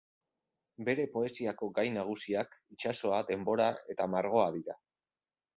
Bere poesiako gai nagusiak itsasoa, denbora eta margoa dira.